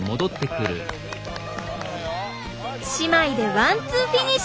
姉妹でワンツーフィニッシュ！